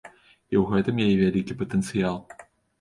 І ў гэтым яе вялікі патэнцыял.